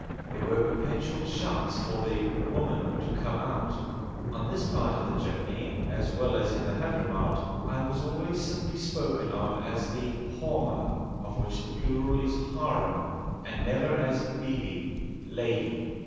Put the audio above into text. There were perpetual shouts for the 'woman' to come out. On this part of the journey, as well as in the Hadhramout, I was always simply spoken of as the Horma (plur. Harem) and never as Bibi (lady).